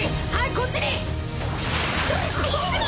こっちも！